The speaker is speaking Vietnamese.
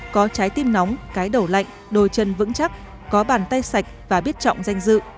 có trái tim nóng cái đầu lạnh đôi chân vững chắc có bàn tay sạch và biết trọng danh dự